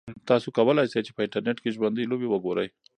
تاسو کولای شئ چې په انټرنیټ کې ژوندۍ لوبې وګورئ.